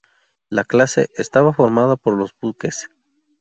La clase, estaba formada por los buques